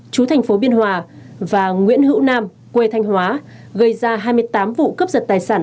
chú thành phố biên hòa và nguyễn hữu nam quê thanh hóa gây ra hai mươi tám vụ cướp giật tài sản